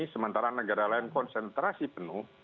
sementara negara lain konsentrasi penuh